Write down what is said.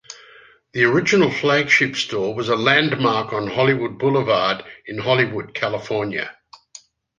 The original flagship store was a landmark on Hollywood Boulevard in Hollywood, California.